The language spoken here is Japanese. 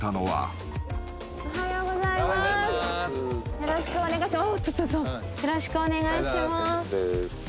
よろしくお願いします。